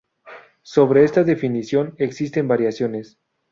Sobre esta definición existen variaciones.